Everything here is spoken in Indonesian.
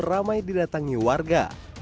ramai didatangi warga